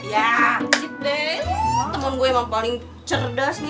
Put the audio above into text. yah anjit deh temen gue emang paling cerdas nih